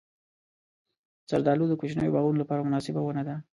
زردالو د کوچنیو باغونو لپاره مناسبه ونه ده.